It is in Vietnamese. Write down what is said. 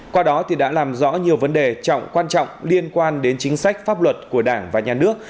qua đó thì đã làm rõ nhiều vấn đề trọng quan trọng liên quan đến chính sách pháp luật của đảng và nhà nước